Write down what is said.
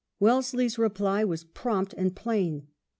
Wellesley's reply was prompt and plain.